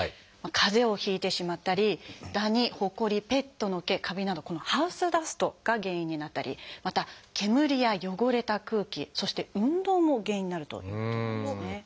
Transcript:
かぜをひいてしまったりダニほこりペットの毛カビなどこのハウスダストが原因になったりまた煙や汚れた空気そして運動も原因になるということなんですね。